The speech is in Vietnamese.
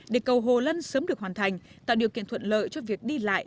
để cầu hồ lân sớm được hoàn thành tạo điều kiện thuận lợi cho việc đi lại